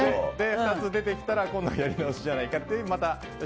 ２つ出てきたらやり直しじゃないかという。